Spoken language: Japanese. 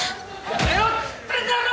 やめろっつってんだろ！